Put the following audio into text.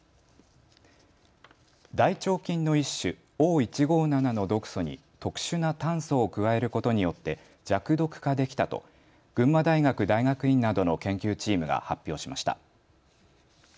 大腸菌の１種、Ｏ１５７の毒素に特殊な炭素を加えることによって弱毒化できたと群馬大学大学院などの研究チームが発表しました。